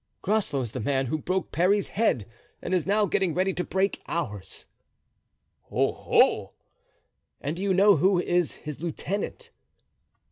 "Groslow is the man who broke Parry's head and is now getting ready to break ours." "Oh! oh!" "And do you know who is his lieutenant?"